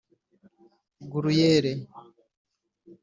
gruyere